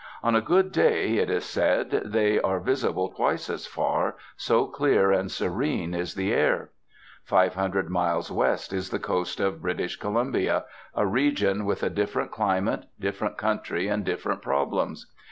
On a good day, it is said, they are visible twice as far, so clear and serene is this air. Five hundred miles west is the coast of British Columbia, a region with a different climate, different country, and different problems.